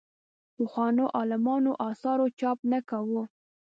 پخوانو عالمانو اثارو چاپ نه کوو.